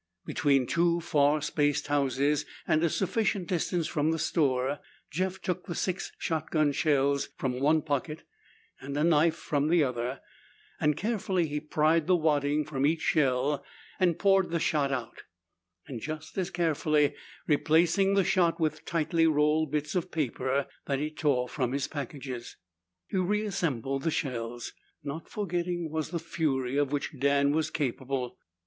Between two far spaced houses, and a sufficient distance from the store, Jeff took the six shotgun shells from one pocket and a knife from another. Carefully he pried the wadding from each shell and poured the shot out. Just as carefully replacing the shot with tightly rolled bits of paper that he tore from his packages, he re assembled the shells. Not forgotten was the fury of which Dan was capable.